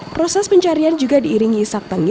proses pencarian juga diinginkan